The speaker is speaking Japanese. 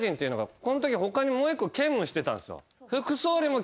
このとき他にもう一個兼務してたんですよ。